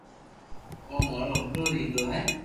او مارو ھکرو ديڪرو ھي